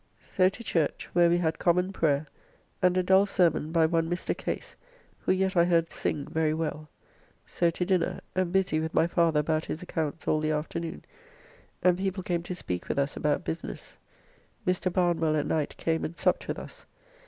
So to church, where we had common prayer, and a dull sermon by one Mr. Case, who yet I heard sing very well. So to dinner, and busy with my father about his accounts all the afternoon, and people came to speak with us about business. Mr. Barnwell at night came and supped with us.